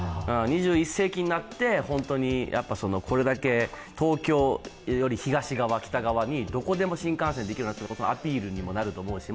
２１世紀になって本当にこれだけ東京より東側北側にどこでも新幹線で行けることになったアピールにもなると思うし